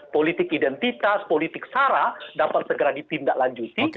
politik identitas politik sara dapat segera ditindaklanjuti